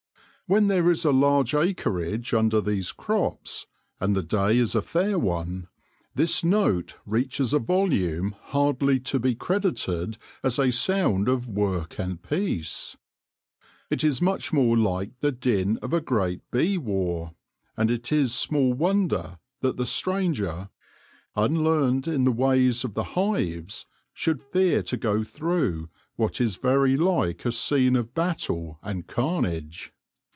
When there is a large acreage under these crops, and the day is a fair one, this note reaches a volume hardly to be credited as a sound of work and peace. It is much more like the din of a great bee war, and it is small wonder that the stranger, unlearned in the ways of the hives, should fear to go through what is very like a scene of battle and carnage.